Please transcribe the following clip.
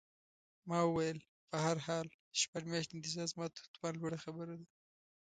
ما وویل: په هر حال، شپږ میاشتې انتظار زما تر توان لوړه خبره ده.